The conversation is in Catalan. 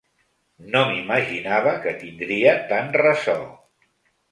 No m’imaginava que tindria tant ressò.